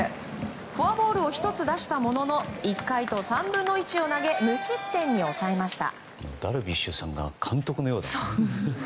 フォアボールを１つ出したものの１回と３分の１を投げ無失点に抑えました。